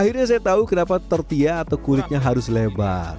akhirnya saya tahu kenapa tortilla atau kulitnya harus lebar